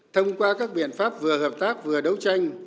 thông qua các biện pháp vừa hợp tác